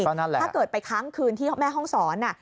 ถ้าเกิดไปค้างคืนที่แม่ห้องสอน